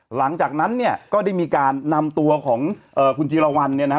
หลังจากนั้นเนี่ยก็ได้มีการนำตัวของคุณจีรวรรณเนี่ยนะฮะ